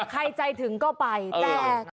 ใครใจถึงก็ไปแต่